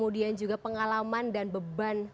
dan juga pengalaman dan beban